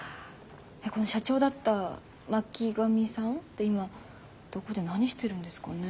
この社長だった巻上さんって今どこで何してるんですかね。